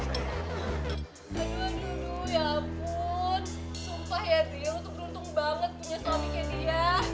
sumpah ya tia lo tuh beruntung banget punya suaminya dia